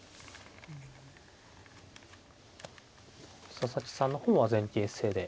佐々木さんの方は前傾姿勢で。